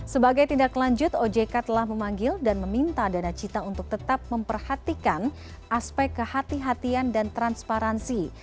sebagai tindak lanjut ojk telah memanggil dan meminta dana cita untuk tetap memperhatikan aspek kehatian dan transparansi